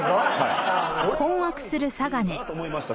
部分かなと思いました。